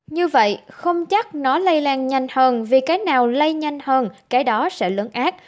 như vậy không chắc nó lây lan nhanh hơn vì cái nào lây nhanh hơn cái đó sẽ lớn ác